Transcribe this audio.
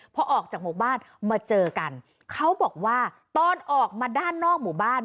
พอออกจากหมู่บ้านมาเจอกันเขาบอกว่าตอนออกมาด้านนอกหมู่บ้าน